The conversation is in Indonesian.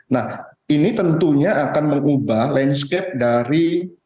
nah ini tentunya akan mengubah landscape dari